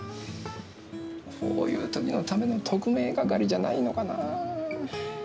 こういう時のための特命係じゃないのかなぁ。